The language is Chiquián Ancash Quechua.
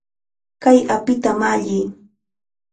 ¡Kay apita malliy!